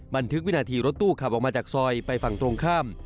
บันทึกวินาทีรถตู้ขับออกมาจากซอยไปฝั่งตรงข้าม